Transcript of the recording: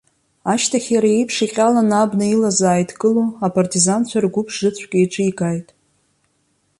Ашьҭахь, иара иеиԥш иҟьаланы абна илаз ааидкыло, апартизанцәа ргәыԥ-жыцәк еиҿикааит.